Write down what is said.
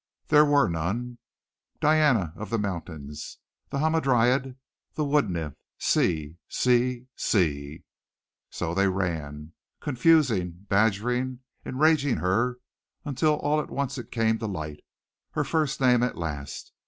There was none. "Diana of the Mountains," "The Hamadryad," "The Wood Nymph," "C," "C C" so they ran, confusing, badgering, enraging her until all at once it came to light her first name at least.